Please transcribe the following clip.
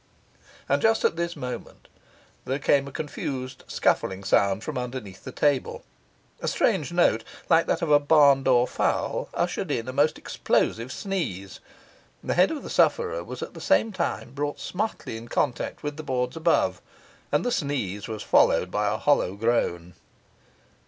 And just at this moment there came a confused, scuffling sound from underneath the table; a strange note, like that of a barn door fowl, ushered in a most explosive sneeze; the head of the sufferer was at the same time brought smartly in contact with the boards above; and the sneeze was followed by a hollow groan.